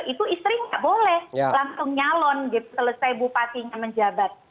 itu istrinya tidak boleh langsung nyalon selesai bupati menjabat